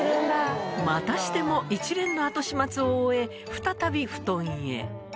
またしても一連の後始末を終え、再び布団へ。